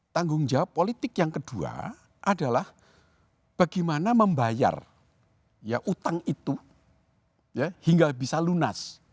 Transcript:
tanggung jawab politik yang kedua adalah bagaimana membayar utang itu hingga bisa lunas